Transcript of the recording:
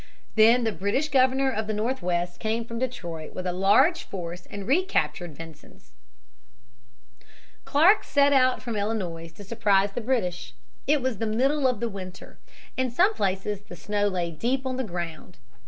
Then the British governor of the Northwest came from Detroit with a large force and recaptured Vincennes. Clark set out from Illinois to surprise the British. It was the middle of the winter. In some places the snow lay deep on the ground.